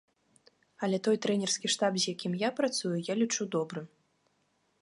Але той трэнерскі штаб, з якім я працую, я лічу добрым.